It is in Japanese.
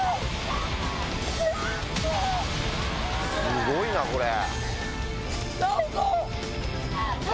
すごいなこれ。